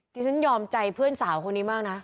ฉันยอมใจเพื่อนสาวคนนี้มากนะ